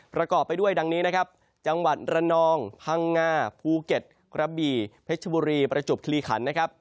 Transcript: ประกอบไปด้วยดังนี้จะจังหวัดรนองพางงาภูเก็ตกระบี่พฤชบุรีประจุบคิริขัน